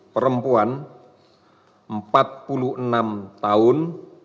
perempuan empat puluh enam tahun